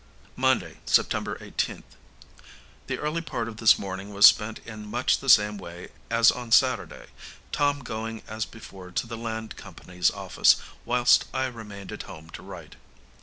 Monday, September 18th. The early part of this morning was spent in much the same way as on Saturday, Tom going as before to the Land Company's Office, whilst I remained at home to write.